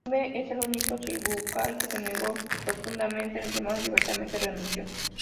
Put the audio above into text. Jinbe es el único Shichibukai que se negó rotundamente al llamado y abiertamente renunció.